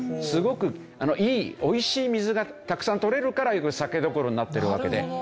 すごくいいおいしい水がたくさん採れるから酒どころになってるわけで。